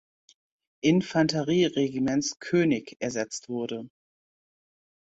Infanterieregiments "König" ersetzt wurde.